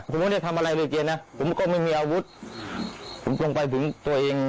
ผมไม่ได้ทำอะไรเลยแกนะผมก็ไม่มีอาวุธผมลงไปถึงตัวเอง